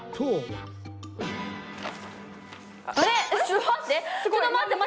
あれ！？